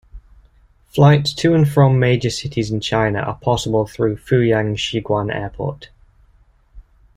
Flights to and from major cities in China are possible through Fuyang Xiguan Airport.